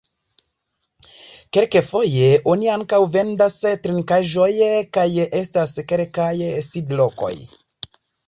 Kelkfoje oni ankaŭ vendas trinkaĵojn kaj estas kelkaj sidlokoj.